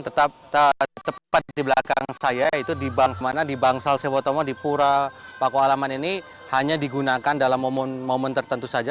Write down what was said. tetap tepat di belakang saya yaitu di bangsa suwotomo di puro paku alaman ini hanya digunakan dalam momen momen tertentu saja